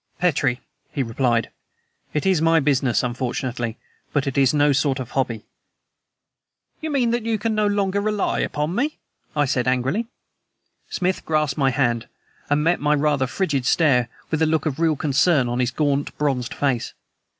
"Petrie," he replied, "it is MY business, unfortunately, but it is no sort of hobby." "You mean that you can no longer rely upon me?" I said angrily. Smith grasped my hand, and met my rather frigid stare with a look of real concern on his gaunt, bronzed face.